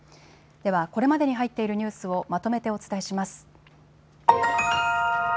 では、これまでに入っているニュースをまとめてお伝えします。